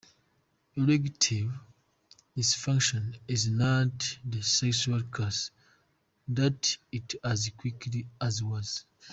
Erectile dysfunction is not the sexual curse that it as quickly as was.